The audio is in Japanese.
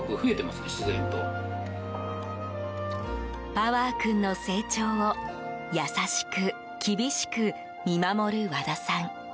パワー君の成長を優しく厳しく見守る和田さん。